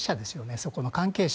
そこの関係者。